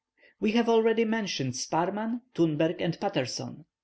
We have already mentioned Sparrman, Thunberg, and Paterson.